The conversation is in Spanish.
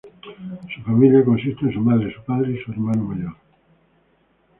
Su familia consiste en su madre, su padre y su hermano mayor.